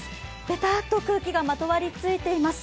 ベターっと空気がまとわりついています。